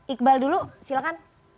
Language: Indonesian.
iqbal dulu silahkan